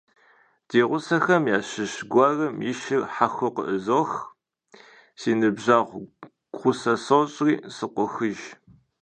Ди гъусэхэм ящыщ гуэрым и шыр хьэхуу къыӀызох, си зы ныбжьэгъу гъусэ сощӀри, сыкъохыж.